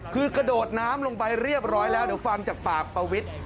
คือกระโดดน้ำลงไปเรียบร้อยแล้วเดี๋ยวฟังจากปากประวิทย์